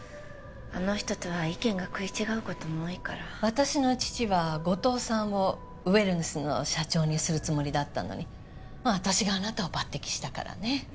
あの人とは意見が食い違うことも多いから私の父は後藤さんをウェルネスの社長にするつもりだったのに私があなたを抜てきしたからね